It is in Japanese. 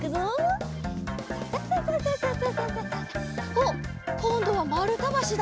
おっこんどはまるたばしだ。